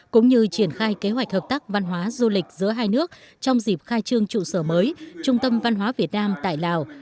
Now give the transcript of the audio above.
cũng như triển khai kế hoạch hợp tác văn hóa du lịch giữa hai nước trong dịp khai trương trụ sở mới trung tâm văn hóa việt nam tại lào